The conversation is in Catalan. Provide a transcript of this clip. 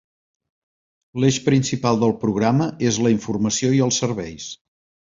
L'eix principal del programa és la informació i els serveis.